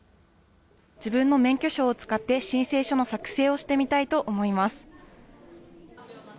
自分の免許証を使って、申請書の作成をしてみたいと思います。